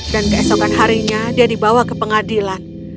dan keesokan harinya dia dibawa ke pengadilan